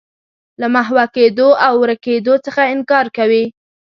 له محوه کېدو او ورکېدو څخه انکار کوي.